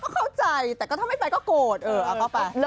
ก็เข้าใจแต่ก็ถ้าไม่ไปก็โกรธเอาเข้าไป